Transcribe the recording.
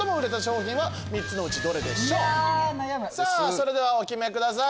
それではお決めください。